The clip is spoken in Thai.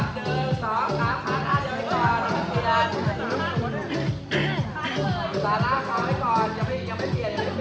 ๑๒๓ขออาธิบายคุณครับ